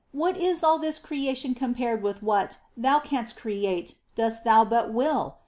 What is all this creation compared with what Thou canst create, dost Thou but will